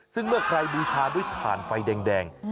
ซึ่งเมื่อใครบูชาด้วยถ่านไฟแดง